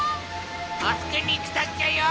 たすけにきたっちゃよ。